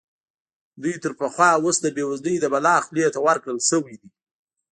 دوی تر پخوا اوس د بېوزلۍ د بلا خولې ته ورکړل شوي دي.